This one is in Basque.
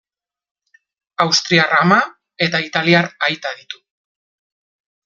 Austriar ama eta italiar aita ditu.